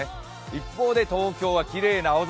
一方で東京はきれいな青空。